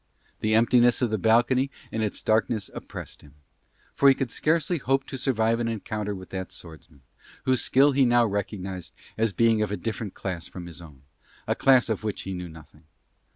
The emptiness of the balcony and its darkness oppressed him; for he could scarcely hope to survive an encounter with that swordsman, whose skill he now recognised as being of a different class from his own, a class of which he knew nothing.